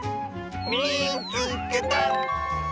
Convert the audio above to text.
「みいつけた！」。